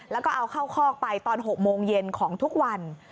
แล้วก็เอาเข้าคอกไปตอน๖โมงเย็นของทุกวัน